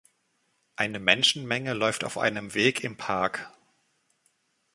Eine Menschenmenge läuft auf einem Weg im Park